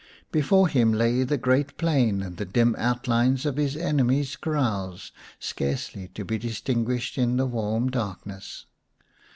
Before him lay the great plain and the dim outlines of his enemy's kraals, scarcely to be distinguished in the warm darkness.